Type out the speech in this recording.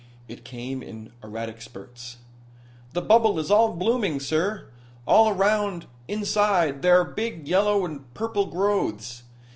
It came in erratic spurts. "The bubble is all blooming, sir. All around inside there are big yellow and purple growths.